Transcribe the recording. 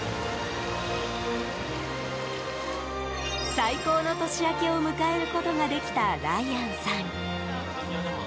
最高の年明けを迎えることができたライアンさん。